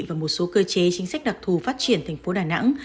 và một số cơ chế chính sách đặc thù phát triển thành phố đà nẵng